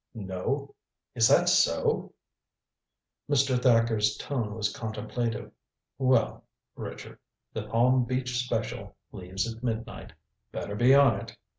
"No? Is that so?" Mr. Thacker's tone was contemplative. "Well, Richard, the Palm Beach Special leaves at midnight. Better be on it.